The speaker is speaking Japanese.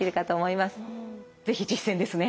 是非実践ですね。